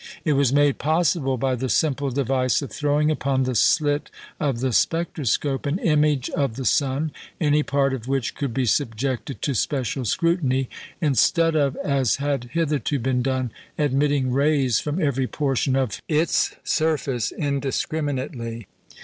It was made possible by the simple device of throwing upon the slit of the spectroscope an image of the sun, any part of which could be subjected to special scrutiny, instead of, as had hitherto been done, admitting rays from every portion of his surface indiscriminately.